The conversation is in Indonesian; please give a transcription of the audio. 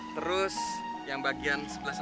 terus yang bagian sebelumnya